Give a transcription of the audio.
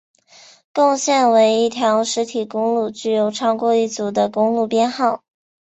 共线为一条实体公路具有超过一组的公路编号。